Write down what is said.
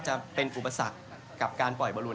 จะเป็นอุปสรรคกับการปล่อยบอล